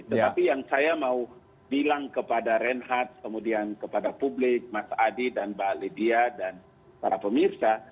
tetapi yang saya mau bilang kepada reinhardt kemudian kepada publik mas adi dan mbak lydia dan para pemirsa